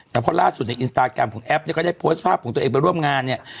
แต่พอล่าสุดในอินสตาร์กรัมของแอฟยังได้โพสพ์ภาพของตัวเองไปร่วมงานเนี่ย